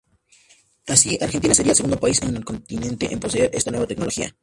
Así, Argentina sería el segundo país en el continente en poseer esta nueva tecnología.